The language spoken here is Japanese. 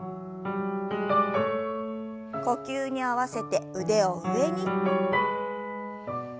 呼吸に合わせて腕を上に。